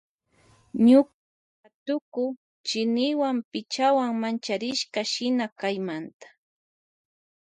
Ñuka hatuku tsiniwan pichawan mancharishka shina kaymanta.